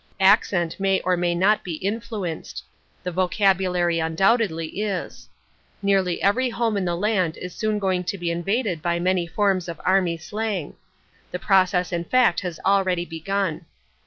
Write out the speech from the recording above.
Accent may or may not be influenced: the vocabulary undoubtedly is. Nearly every home in the land is soon going to be invaded by many forms of army slang: the process in fact has already begun.